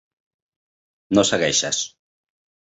No segueixes.